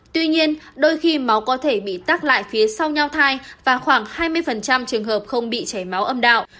tuy nhiên đôi khi máu có thể bị tắt lại phía sau nho thay và khoảng hai mươi trường hợp không bị chảy máu âm đạo